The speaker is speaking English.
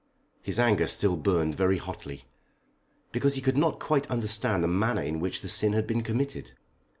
His anger still burned very hotly, because he could not quite understand the manner in which the sin had been committed.